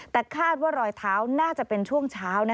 แต่คาดว่ารอยเท้าน่าจะเป็นช่วงเช้า